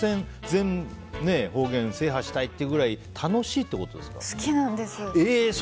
全方言制覇したいってくらい好きなんです。